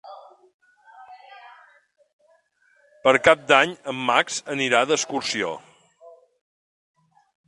Per Cap d'Any en Max anirà d'excursió.